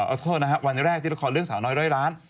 เอาโทษนะฮะวันแรกที่ละครเรื่องสาวน้อยร้อยล้าน